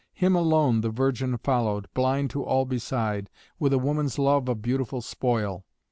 Him alone the virgin followed, blind to all beside, with a woman's love of beautiful spoil.